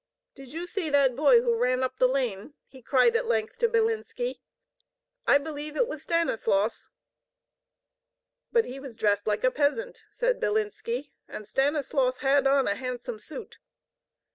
"Did you see that boy who ran up the lane?" he cried at length to Bilinski. "I believe it was Stanislaus." "But he was dressed like a peasant," said Bilinski. "And Stanislaus had on a handsome suit."